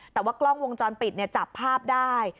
แต่ว่ากล้องวงจรปิดจับภาพได้